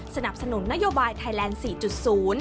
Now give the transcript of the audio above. สนับสนุนนโยบายไทยแลนด์๔๐